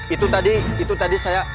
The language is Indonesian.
itu tadi itu tadi saya